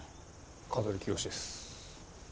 香取清です。